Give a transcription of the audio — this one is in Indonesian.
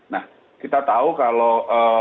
nah kita tahu kalau